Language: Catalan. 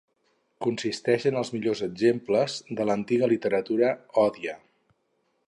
Constitueixen els millors exemples de l'antiga literatura Odia.